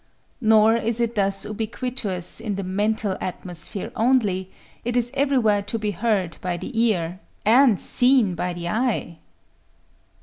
Nor is it thus ubiquitous in the mental atmosphere only: it is everywhere to be heard by the ear, and _seen by the eye!